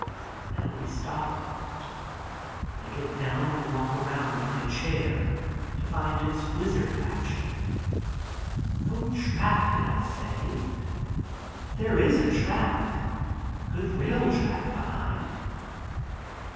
Now we stop on it. I get down and walk around my chair to find its wizard action. No track, did I say? There is a track—good rail track behind.